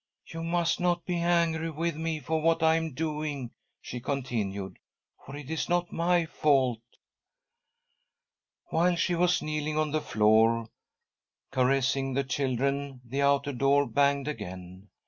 You must not be angry with me for what I am doing," she continued, " for it is not my fault." While she was kneeling on the floor, caressing the children, the outer door banged again.